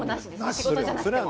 仕事じゃなくても。